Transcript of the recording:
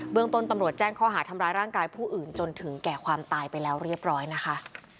เมืองต้นตำรวจแจ้งข้อหาทำร้ายร่างกายผู้อื่นจนถึงแก่ความตายไปแล้วเรียบร้อยนะคะ